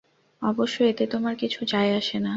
অবশ্য এতে তোমার কিছু যায় আসে না।